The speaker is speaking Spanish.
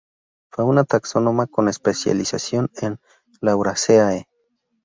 Fue una taxónoma con especialización en Lauraceae.